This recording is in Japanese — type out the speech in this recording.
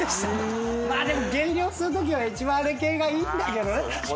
でも減量するときは一番あれ系がいいんだけどね。